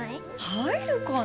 入るかな。